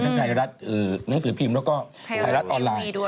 ไทยรัฐหนังสือพิมพ์แล้วก็ไทยรัฐออนไลน์ด้วย